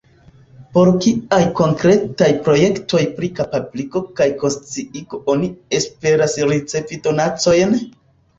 Por kiaj konkretaj projektoj pri kapabligo kaj konsciigo oni esperas ricevi donacojn?